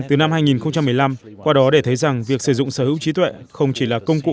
từ năm hai nghìn một mươi năm qua đó để thấy rằng việc sử dụng sở hữu trí tuệ không chỉ là công cụ